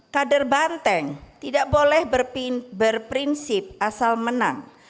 kader banteng tidak boleh berprinsip asal menang